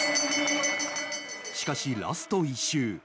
しかし、ラスト１周。